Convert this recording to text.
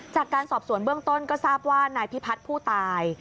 จากการสอบสวนเบื้องต้นก็ทราบว่านายพิพัฒน์ผู้ตาย